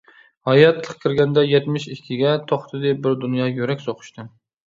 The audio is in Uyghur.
ھاياتلىق كىرگەندە يەتمىش ئىككىگە، توختىدى بىر دۇنيا يۈرەك سوقۇشتىن.